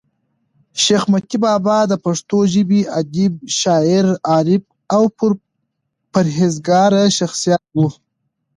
شېخ متي بابا دپښتو ژبي ادیب، شاعر، عارف او پر هېزګاره شخصیت وو.